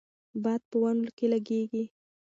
باد په ونو کې لګیږي.